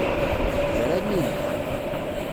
Bran-iyi.